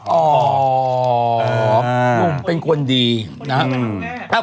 หนุ่มเป็นคนดีนะครับ